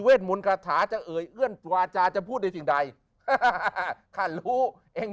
เวทหมุนคาถาจะเอ่ยเอื้อนตัวอาจารย์จะพูดในสิ่งใดค่ะรู้เอง